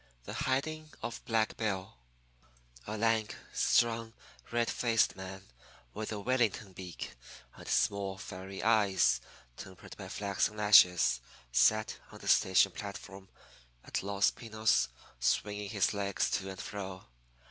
THE HIDING OF BLACK BILL A lank, strong, red faced man with a Wellington beak and small, fiery eyes tempered by flaxen lashes, sat on the station platform at Los Pinos swinging his legs to and fro.